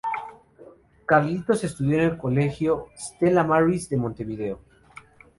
Carlitos estudió en el Colegio Stella Maris de Montevideo.